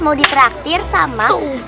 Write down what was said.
mau ditraktir sama prinses lia